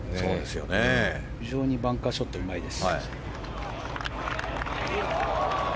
非常にバンカーショットがうまいです。